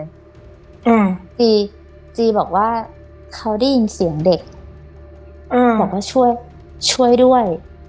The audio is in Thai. อ่าจีจีบอกว่าเขาได้ยินเสียงเด็กอ่าบอกว่าช่วยช่วยด้วย